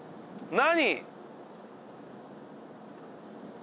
何？